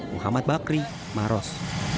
muhammad bakri maros